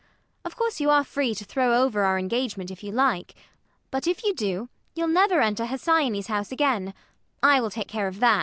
Of course you are free to throw over our engagement if you like; but, if you do, you'll never enter Hesione's house again: I will take care of that.